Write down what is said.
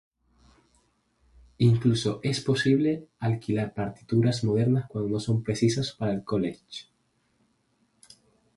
Incluso es posible alquilar partituras modernas cuando no son precisas para el College.